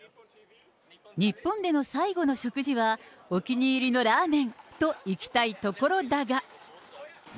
日本での最後の食事は、お気に入りのラーメンといきたいところだが。